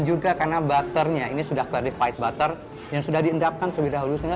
juga karena butternya ini sudah klarifikasi butter yang sudah diendapkan sebelumnya